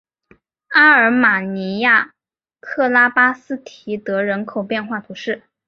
阿尔马尼亚克拉巴斯提德人口变化图示